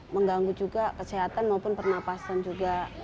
mengganggu juga kesehatan maupun pernapasan juga